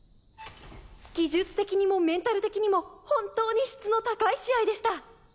技術的にもメンタル的にも本当に質の高い試合でした。